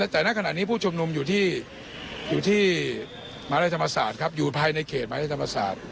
แต่ณขณะนี้ผู้ชุมนุมอยู่ที่อยู่ที่มหาวิทยาลัยธรรมศาสตร์ครับอยู่ภายในเขตมหาวิทยาลัยธรรมศาสตร์